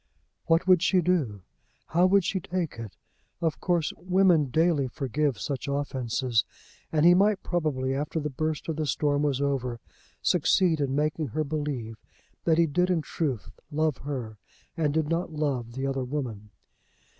What would she do? How would she take it? Of course women daily forgive such offences; and he might probably, after the burst of the storm was over, succeed in making her believe that he did in truth love her and did not love the other woman.